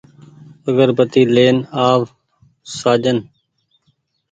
آگربتي لين آ و سآجن